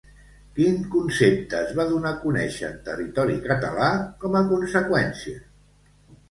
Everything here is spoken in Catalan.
Quin concepte es va donar a conèixer en territori català com a conseqüència?